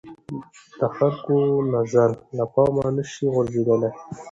د خلکو نظر له پامه نه شي غورځېدلای